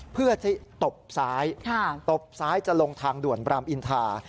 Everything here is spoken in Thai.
เพื่อใช้ตบซ้ายตบซ้ายจะลงทางด่วนบรามอินทา